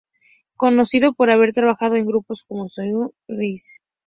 Conocido por haber trabajado con grupos como Saigon Kick y Skid Row.